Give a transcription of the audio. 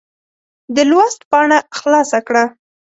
د لوست پاڼه خلاصه کړه.